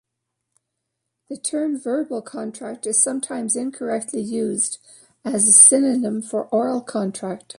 The term "verbal contract" is sometimes incorrectly used as a synonym for oral contract.